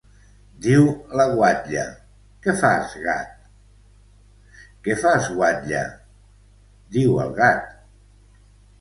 Diu la guatlla: —Què fas gat? —Què fas guatlla?, diu el gat.